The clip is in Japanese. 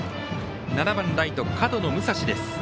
７番ライト角野夢才志です。